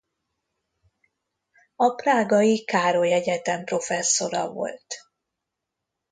A prágai Károly Egyetem professzora volt.